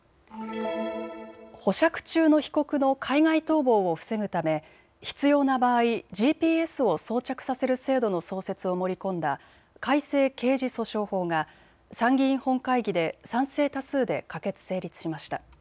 保釈中の被告の海外逃亡を防ぐため必要な場合、ＧＰＳを装着させる制度の創設を盛り込んだ改正刑事訴訟法が参議院本会議で賛成多数で可決・成立しました。